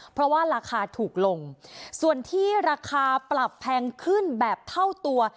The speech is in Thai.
เพราะว่าราคาถูกลงส่วนที่ราคาปรับแพงขึ้นแบบเท่าตัว